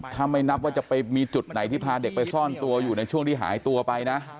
ถ้าไม่นับว่าจะไปมีจุดไหนที่พาเด็กไปซ่อนตัวอยู่ในช่วงที่หายตัวไปนะ